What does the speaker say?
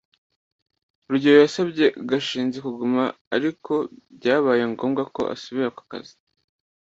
rugeyo yasabye gashinzi kuguma, ariko byabaye ngombwa ko asubira ku kazi